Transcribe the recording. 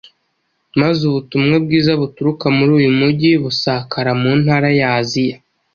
maze ubutumwa bwiza buturuka muri uyu mujyi busakara mu ntara ya Aziya